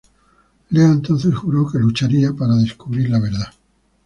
Leo entonces juró que lucharía para descubrir la verdad.